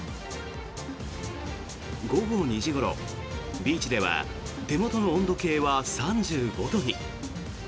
午後２時ごろ、ビーチでは手元の温度計は３５度に。